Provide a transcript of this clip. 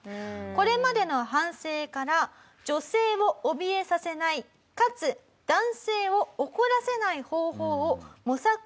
これまでの反省から女性をおびえさせないかつ男性を怒らせない方法を模索した結果がこちら！